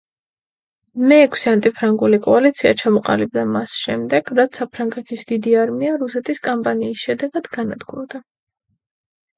მეექვსე ანტიფრანგული კოალიცია ჩამოყალიბდა მას შემდეგ, რაც საფრანგეთის დიდი არმია რუსეთის კამპანიის შედეგად განადგურდა.